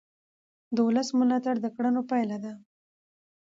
د ولس ملاتړ د کړنو پایله ده